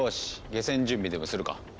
下船準備でもするか。